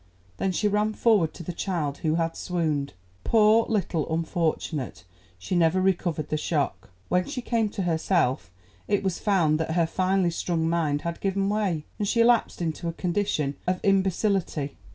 Then she ran forward to the child, who had swooned. Poor little unfortunate, she never recovered the shock. When she came to herself, it was found that her finely strung mind had given way, and she lapsed into a condition of imbecility.